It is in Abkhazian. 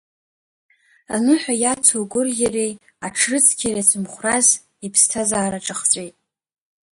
Аныҳәа иацу агәырӷьареи аҽрыцқьареи ацымхәрас иԥсҭазаара ҿахҵәеит.